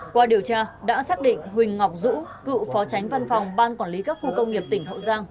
qua điều tra đã xác định huỳnh ngọc dũ cựu phó tránh văn phòng ban quản lý các khu công nghiệp tỉnh hậu giang